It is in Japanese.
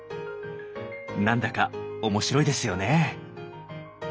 何だか面白いですよね。